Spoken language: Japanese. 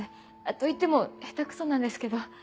といっても下手くそなんですけど。